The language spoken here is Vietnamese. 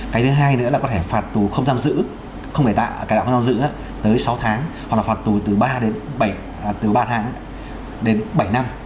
cái thứ hai nữa là có thể phạt tù không giam giữ không phải cải tạo không giam giữ tới sáu tháng hoặc là phạt tù từ ba đến bảy từ ba tháng đến bảy năm